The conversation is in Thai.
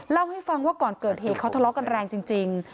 เล่าให้ฟังว่าก่อนเกิดเหตุเขาทะเลาะกันแรงจริง